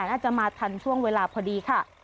น่าจะมาทันช่วงเวลาพอดีค่ะ